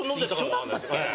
一緒だったっけ。